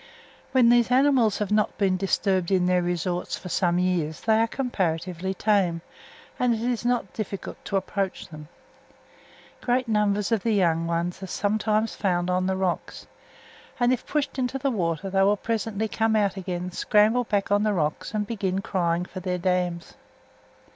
When these animals have not been disturbed in their resorts for some years they are comparatively tame, and it is not difficult to approach them. Great numbers of the young ones are sometimes found on the rocks, and if pushed into the water they will presently come out again, scramble back on to the rocks, and begin crying for their dams.